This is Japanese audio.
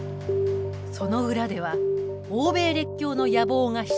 その裏では欧米列強の野望がひしめき